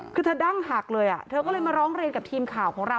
คือเธอดั้งหักเลยเธอก็เลยมาร้องเรียนกับทีมข่าวของเรา